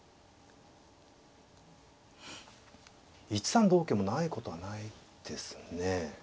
１三同香もないことはないですね。